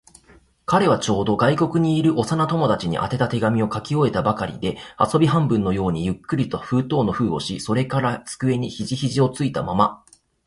彼はちょうど、外国にいる幼な友達に宛てた手紙を書き終えたばかりで、遊び半分のようにゆっくりと封筒の封をし、それから机に肘ひじをついたまま、